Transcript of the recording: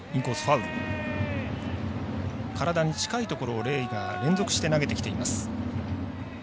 体に近いところをレイが連続して投げてきています。